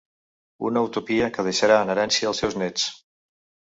Una utopia que deixarà en herència als seus néts.